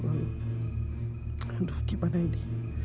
aduh gimana ini